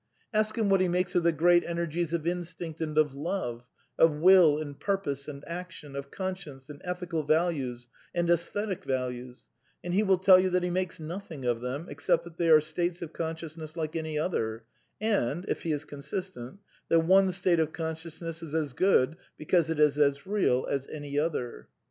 Ask him what he makes of the great enei^es of in stinct and of love, of will and purpose and action, of con science and ethical values and aesthetic values, and he wiU tell you that he makes nothing of them «^cept that they are states of consciousness like any other, and — if he is consistent — that one state of consciousness is as good, because it is as real as any other.